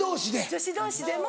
女子同士でも。